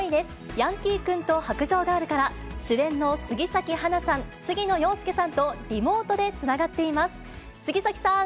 ヤンキー君と白杖ガールから、主演の杉咲花さん、杉野遥亮さんとリモートでつながっています。